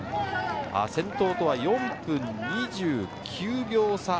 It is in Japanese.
先頭とは４分２９秒差。